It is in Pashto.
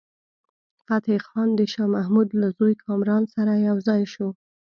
فتح خان د شاه محمود له زوی کامران سره یو ځای شو.